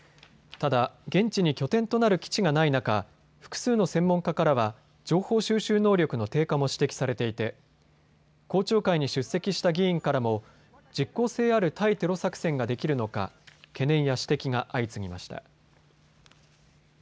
ただ、現地に拠点となる基地がない中、複数の専門家からは情報収集能力の低下も指摘されていて公聴会に出席した議員からも実効性ある対テロ作戦ができるのか懸念や指摘が相次ぎました。